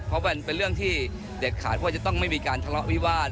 เพราะมันเป็นเรื่องที่เด็ดขาดว่าจะต้องไม่มีการทะเลาะวิวาส